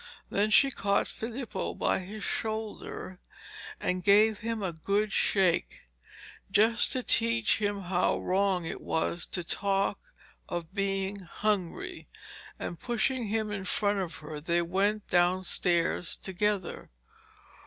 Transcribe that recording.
Then she caught Filippo by his shoulder and gave him a good shake, just to teach him how wrong it was to talk of being hungry, and pushing him in front of her they went downstairs together.